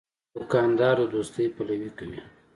دوکاندار د دوستۍ پلوي کوي.